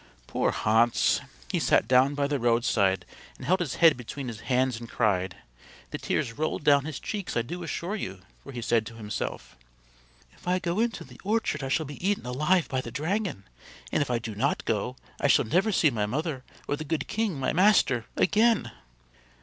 Poor Hans! He sat down by the roadside and held his head between his hands and cried the tears rolled down his cheeks I do assure you for he said to himself: "If I go into the orchard I shall be eaten alive by the dragon, and if I do not go I shall never see my mother or the good king, my master, again."